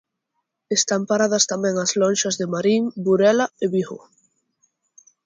Están paradas tamén as lonxas de Marín, Burela e Vigo.